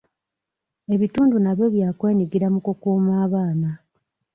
Ebitundu nabyo bya kwenyigira mu kukuuma abaana.